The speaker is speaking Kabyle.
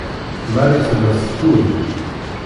Marie tella teffud.